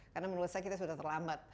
karena menurut saya kita sudah terlambat